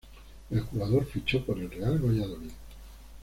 El jugador fichó por el Real Valladolid.